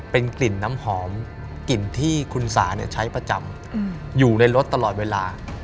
เป็นกลิ่นน้ำหอมกลิ่นที่คุณสาใช้ประจำอยู่ในรถตลอดเวลา